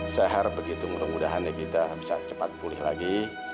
saya harap begitu mudah mudahan evita bisa cepat pulih lagi